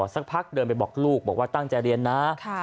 สักพักเดินไปบอกลูกบอกว่าตั้งใจเรียนนะ